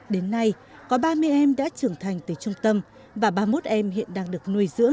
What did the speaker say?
đến nay có ba mươi em đã trưởng thành từ trung tâm và ba mươi một em hiện đang được nuôi dưỡng